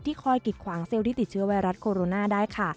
คอยกิดขวางเซลล์ที่ติดเชื้อไวรัสโคโรนาได้ค่ะ